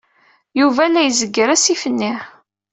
Yuba la izegger asif-nni.